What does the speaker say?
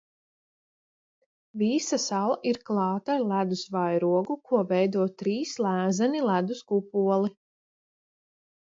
Visa sala ir klāta ar ledus vairogu, ko veido trīs lēzeni ledus kupoli.